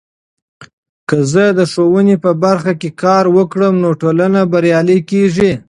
که زه د ښوونې په برخه کې کار وکړم، نو ټولنه بریالۍ کیږي.